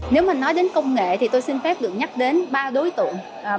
nếu mà nói đến công nghệ thì tôi xin phép được nhắc đến ba đối tượng